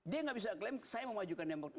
dia nggak bisa claim saya mau memajukan demokrasi